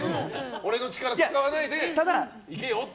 俺の力、使わないでいけよって。